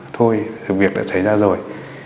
thôi việc đã xảy ra rồi